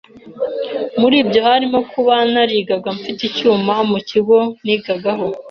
Muri byo harimo kuba narigaga mfite icyuma mu kigo nigagaho